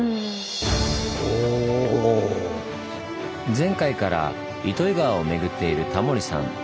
前回から糸魚川を巡っているタモリさん。